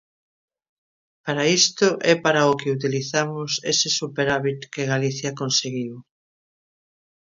Para isto é para o que utilizamos ese superávit que Galicia conseguiu.